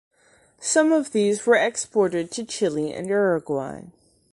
Some of these were exported to Chile and Uruguay.